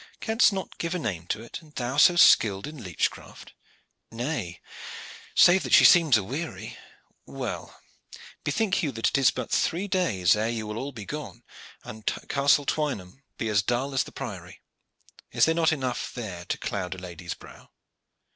"Canst not give a name to it, and thou so skilled in leech craft?" "Nay, save that she seems aweary." "Well, bethink you that it is but three days ere you will all be gone, and Castle Twynham be as dull as the Priory. Is there not enough there to cloud a lady's brow?"